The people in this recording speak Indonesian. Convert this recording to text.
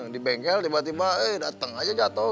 di bengkel tiba tiba eh datang aja jatuh